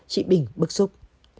chị bình bức xúc